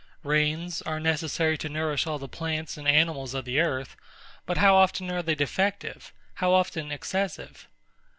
Rains are necessary to nourish all the plants and animals of the earth: but how often are they defective? how often excessive?